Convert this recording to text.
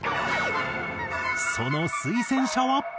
その推薦者は。